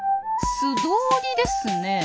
素通りですねえ。